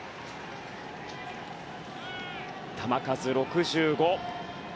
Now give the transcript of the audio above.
球数は６５。